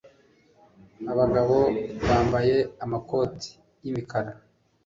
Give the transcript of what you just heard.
abagabo bambaye amakote yimikara